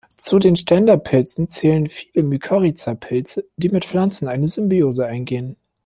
Zu den Ständerpilzen zählen viele Mykorrhizapilze, die mit Pflanzen eine Symbiose eingehen.